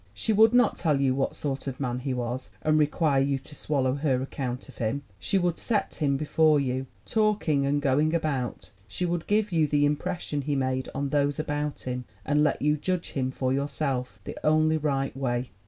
She would not tell you what sort of man he was and require you to swallow her account of him; she would set him before you, talking and going about; she would give you the impression he made on those about him, and let you judge him for yourself the only right way.